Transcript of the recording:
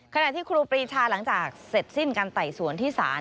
ขณะที่ครูปรีชาหลังจากเสร็จสิ้นการไต่สวนที่ศาล